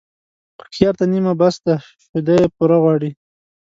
هوښيار ته نيمه بس ده ، شوده يې پوره غواړي.